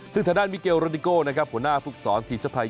ซึ่งถ้าด้านมิเกลโรดิโกผู้หน้าฟุตซอร์ทีมชาติไทย